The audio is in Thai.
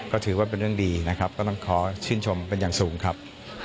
ก็ถือว่าเป็นเรื่องดีนะครับก็ต้องขอชื่นชมเป็นอย่างสูงครับ